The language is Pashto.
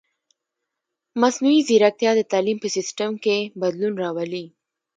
مصنوعي ځیرکتیا د تعلیم په سیستم کې بدلون راولي.